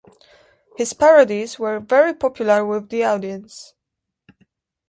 His parodies were very popular with the audience.